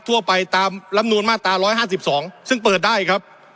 ทั่วไปตามลำนวลมาตราร้อยห้าสิบสองซึ่งเปิดได้ครับ